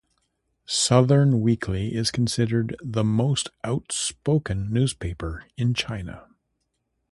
"Southern Weekly" is considered the most outspoken newspaper in China.